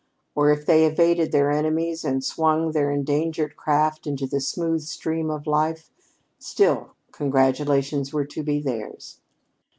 Or if they evaded their enemies and swung their endangered craft into the smooth stream of life, still congratulations were to be theirs.